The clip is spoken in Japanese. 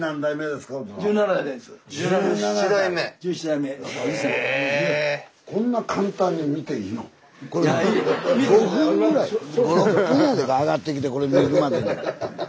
スタジオ上がってきてこれ見るまでに。